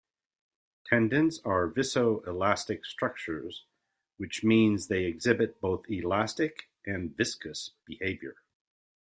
Tendons are viscoelastic structures, which means they exhibit both elastic and viscous behaviour.